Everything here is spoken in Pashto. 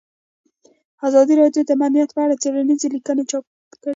ازادي راډیو د امنیت په اړه څېړنیزې لیکنې چاپ کړي.